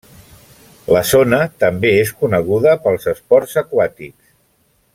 La zona també és coneguda pels esports aquàtics.